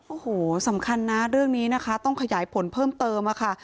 โอ้โหสำคัญนะเรื่องนี้นะคะต้องขยายผลเพิ่มเติมค่ะ